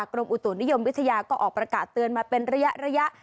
กรมอุตุนิยมวิทยาก็ออกประกาศเตือนมาเป็นระยะ